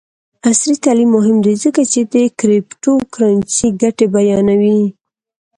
عصري تعلیم مهم دی ځکه چې د کریپټو کرنسي ګټې بیانوي.